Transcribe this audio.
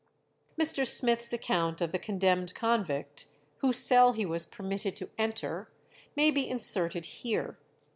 '" Mr. Smith's account of the condemned convict, whose cell he was permitted to enter, may be inserted here.